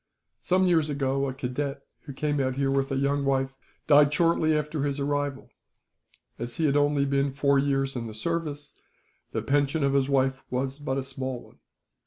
Some years ago a cadet, who came out here with a young wife, died shortly after his arrival. As he had only been four years in the service, the pension of his wife was but a small one.